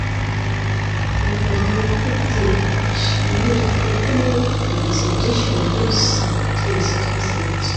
reka duhaguruke dushimire, kuko niba tutarize byinshi uyu munsi, byibuze twize bike